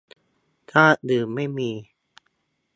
ชาติอื่นไม่มี